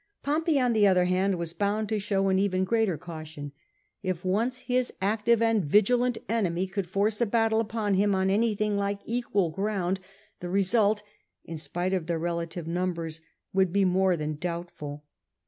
Pompey, on the other baud, was bound to show an even greater caution; if once his active and vigilant enemy could force a battle upon him on anything like equal ground, the result (in spite of their relative numbers) would be more than doubtful.